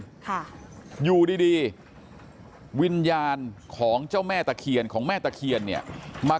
ค่ะอยู่ดีดีวิญญาณของเจ้าแม่ตะเคียนของแม่ตะเคียนเนี่ยมา